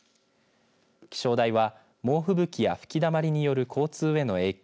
気象台は猛吹雪や吹きだまりによる交通への影響